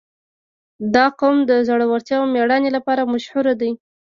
• دا قوم د زړورتیا او مېړانې لپاره مشهور دی.